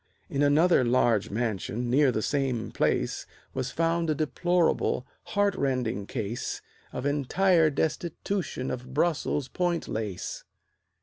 In another large mansion near the same place Was found a deplorable, heartrending case Of entire destitution of Brussels point lace.